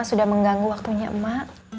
sudah mengganggu waktunya ma